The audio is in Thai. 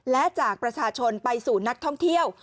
และจากประชาชนไปสู่นักท่องเที่ยว